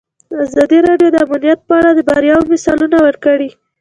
ازادي راډیو د امنیت په اړه د بریاوو مثالونه ورکړي.